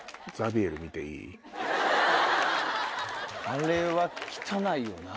あれは汚いよな。